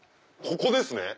ここですね